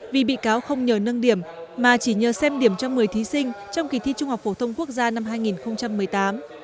vì bị cáo không nhờ nâng điểm mà chỉ nhờ xem điểm cho một mươi thí sinh trong kỳ thi trung học phổ thông quốc gia năm hai nghìn một mươi tám